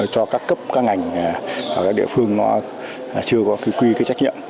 cho các cấp các ngành các địa phương nó chưa có quy trách nhiệm